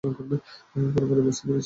আমি পুরোপুরি বুঝতে পেরেছি।